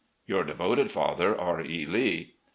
." "Your devoted father, "R. E. Lee."